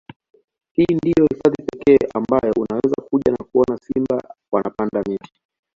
Hii ndiyo hifadhi pekee ambayo unaweza kuja na kuona simba wanapanda miti